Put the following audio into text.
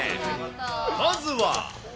まずは。